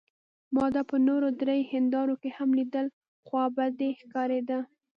ما دا په نورو درې هندارو کې هم لیدل، خوابدې ښکارېده.